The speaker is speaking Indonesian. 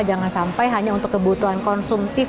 jangan sampai hanya untuk kebutuhan konsumtif